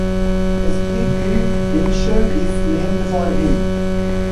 A street in Enschede is named for him.